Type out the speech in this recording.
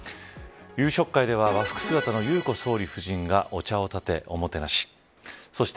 夕食会では和服姿の裕子総理夫人がお茶をたて、おもてなし。